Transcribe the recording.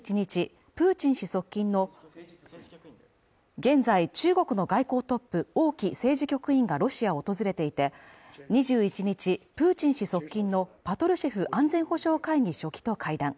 現在中国の外交トップ王毅政治局員がロシアを訪れていて、２１日、プーチン氏側近のパトルシェフ安全保障会議書記と会談。